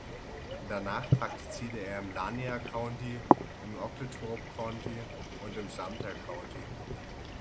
Danach praktizierte er im Lanier County, im Oglethorpe County und im Sumter County.